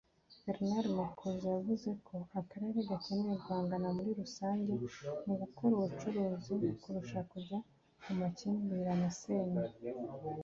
Bernard Makuza yavuze ko akarere gakeneye guhangana muri rusange mu gukora ubucuruzi kurusha kujya mu makimbirane asenya